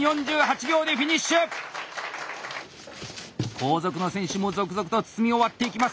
後続の選手も続々と包み終わっていきます！